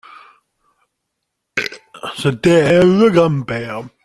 C’était le grand-père.